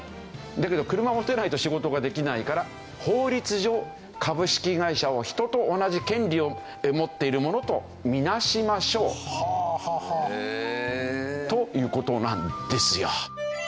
だけど車持てないと仕事ができないから法律上株式会社を人と同じ権利を持っているものとみなしましょうという事なんですよ。